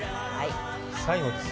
最後です。